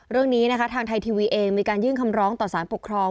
เรื่องนี้นะคะทางไทยทีวีเองมีการยื่นคำร้องต่อสารปกครอง